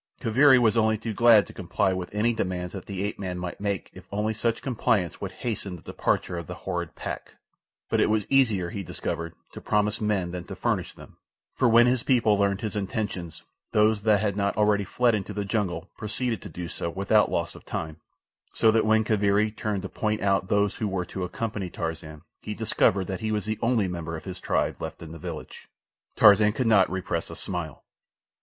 Kaviri was only too glad to comply with any demands that the ape man might make if only such compliance would hasten the departure of the horrid pack; but it was easier, he discovered, to promise men than to furnish them, for when his people learned his intentions those that had not already fled into the jungle proceeded to do so without loss of time, so that when Kaviri turned to point out those who were to accompany Tarzan, he discovered that he was the only member of his tribe left within the village. Tarzan could not repress a smile.